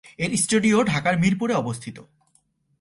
এর স্টুডিও ঢাকার মিরপুরে অবস্থিত।